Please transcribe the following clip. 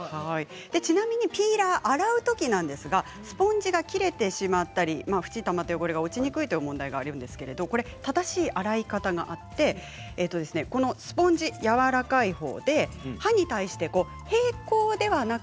ちなみにピーラーを洗うときなんですがスポンジが切れてしまったり縁にたまった汚れが落ちにくいっていう問題がありますけれども正しい洗い方があってスポンジのやわらかいほうで刃に対して平行ではなく